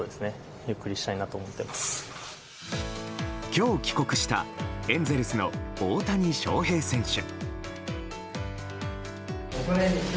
今日帰国したエンゼルスの大谷翔平選手。